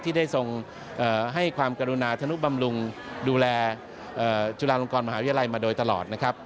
ที่ได้ทรงให้ความกรุณาธนุบำรุงดูแลจุฬาลงกรมหาวิทยาลัยมาโดยตลอดนะครับ